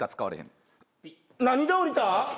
な何で降りた？